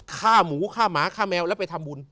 ฆ่าหมูฆ่าหมาฆ่าแมวแล้วไปทำบุญ